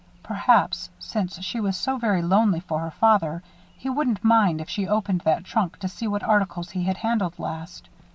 Perhaps, since she was so very lonely for her father, he wouldn't mind if she opened that trunk to see what articles he had handled last.